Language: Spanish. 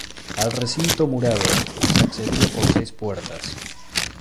Al recinto murado, se accedía por seis puertas.